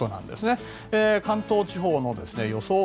関東地方の予想